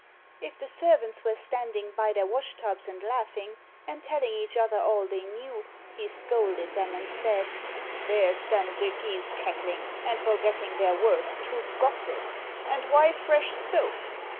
If the servants were standing by their wash tubs and laughing, and telling each other all they knew, he scolded them, and said, "There stand the geese cackling, and forgetting their work, to gossip! And why fresh soap?